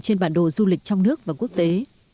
trên bản đồ du lịch trong nước và quốc tế